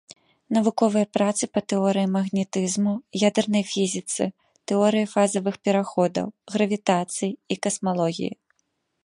Навуковыя працы па тэорыі магнетызму, ядзернай фізіцы, тэорыі фазавых пераходаў, гравітацыі і касмалогіі.